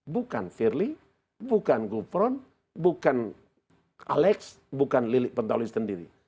bukan firly bukan gufron bukan alex bukan lilik pentolis sendiri